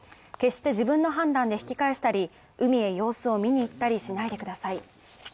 決して自分の判断で引き返したり、海へ様子を見に行ったりしないでください。